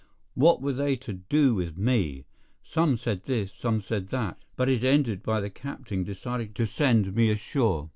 What were they to do with me? Some said this, some said that; but it ended by the captain deciding to send me ashore.